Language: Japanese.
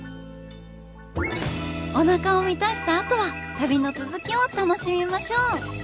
おなかを満たしたあとは旅の続きを楽しみましょう。